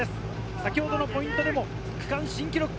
先ほどのポイントでも区間新記録です。